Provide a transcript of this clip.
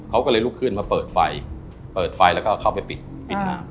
เขาก็เลยลุกขึ้นมาเปิดไฟเปิดไฟแล้วก็เข้าไปปิดปิดน้ำ